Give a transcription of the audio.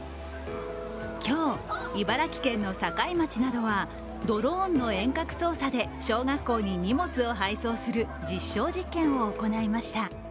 今日、茨城県の境町などはドローンの遠隔操作で小学校に荷物を配送する実証実験を行いました。